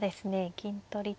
金取りと。